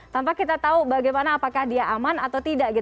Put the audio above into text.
tanpa kita tahu bagaimana apakah dia aman atau tidak